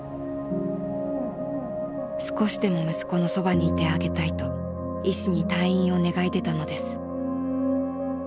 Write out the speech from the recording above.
少しでも息子のそばにいてあげたいと医師に退院を願い出たのです。